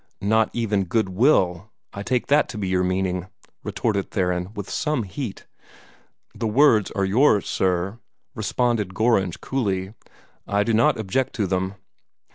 "Not even good will I take that to be your meaning," retorted Theron, with some heat. "The words are yours, sir," responded Gorringe, coolly. "I do not object to them."